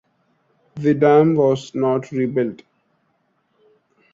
The dam was not rebuilt.